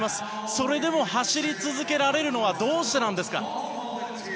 それでも走り続けられるのはどうしてなんですか？